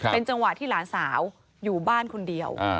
เป็นจังหวะที่หลานสาวอยู่บ้านคนเดียว